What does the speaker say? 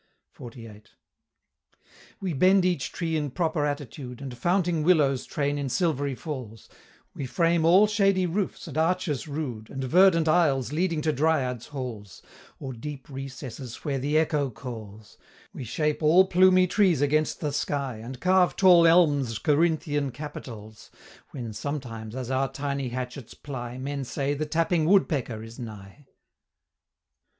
XLVIII. "We bend each tree in proper attitude, And founting willows train in silvery falls; We frame all shady roofs and arches rude, And verdant aisles leading to Dryads' halls, Or deep recesses where the Echo calls; We shape all plumy trees against the sky, And carve tall elms' Corinthian capitals, When sometimes, as our tiny hatchets ply, Men say, the tapping woodpecker is nigh."